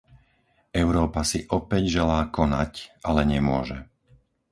Európa si opäť želá konať, ale nemôže.